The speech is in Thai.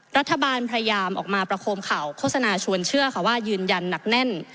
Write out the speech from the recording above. รัฐบาลพยายามออกมาประคมข่าวโฆษณาชวนเชื่อค่ะว่ายืนยันหนักแน่น